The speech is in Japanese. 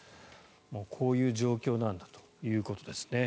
こういう状況なんだということですね。